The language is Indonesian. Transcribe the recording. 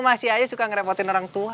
masih aja suka ngerepotin orang tua